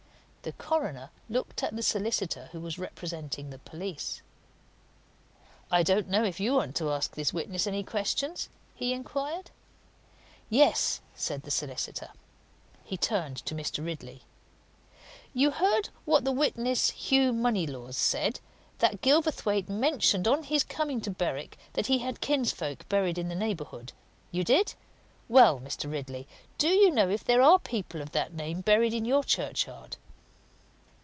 The coroner looked at the solicitor who was representing the police. "I don't know if you want to ask this witness any questions?" he inquired. "Yes," said the solicitor. He turned to Mr. Ridley. "You heard what the witness Hugh Moneylaws said? that Gilverthwaite mentioned on his coming to Berwick that he had kinsfolk buried in the neighbourhood? You did? Well, Mr. Ridley, do you know if there are people of that name buried in your churchyard?"